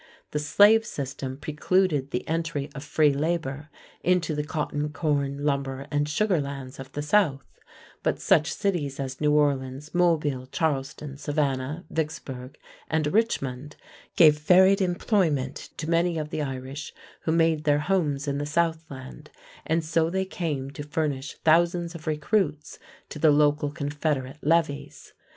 The slave system precluded the entry of free labor into the cotton, corn, lumber, and sugar lands of the South, but such cities as New Orleans, Mobile, Charleston, Savannah, Vicksburg, and Richmond gave varied employment to many of the Irish who made their homes in the Southland, and so they came to furnish thousands of recruits to the local Confederate levies.